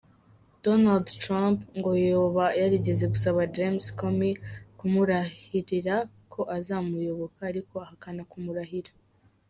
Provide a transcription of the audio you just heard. Donald Trump ngo yoba yarigeze gusaba James Comey kumurahira ko azomuyoboka ariko ahakana kumurahira.